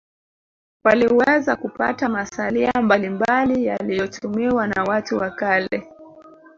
waliweza kupata masalia mbalimbali yaliyotumiwa na watu wa kale